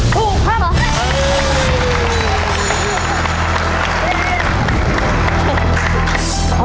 ถูกครับเหรอ